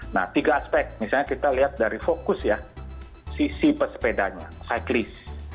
nah tiga aspek misalnya kita lihat dari fokus ya sisi pesepedanya cyclist